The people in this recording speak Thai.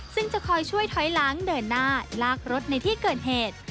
ซึ่งจะคอยช่วยถอยหลังเดินหน้าลากรถในที่เกิดเหตุ